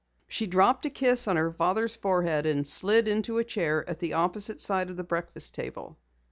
She dropped a kiss on her father's forehead and slid into a chair at the opposite side of the breakfast table.